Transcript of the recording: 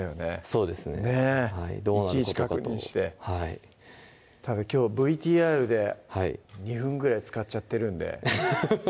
そうですねねっいちいち確認してただきょうＶＴＲで２分ぐらい使っちゃってるんでハハハ